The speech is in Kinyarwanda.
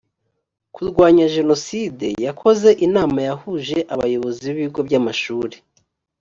kurwanya jenoside yakoze inama yahuje abayobozi b ibigo by amashuri